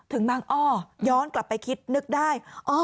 บางอ้อย้อนกลับไปคิดนึกได้